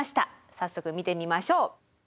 早速見てみましょう。